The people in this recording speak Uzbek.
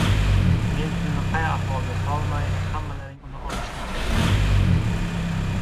Men pulni qay ahvolga solmay, hammalaring uni olishni istadilaring.